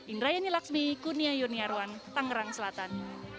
indrayani laksmi kunia yurniarwan tanggerang selatan